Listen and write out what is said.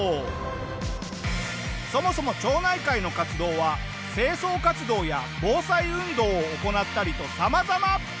そもそも町内会の活動は清掃活動や防災運動を行ったりと様々！